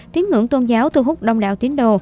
tín ngưỡng tôn giáo thu hút đông đảo tín đồ